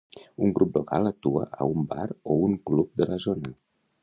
Un grup local actua a un bar o un club de la zona.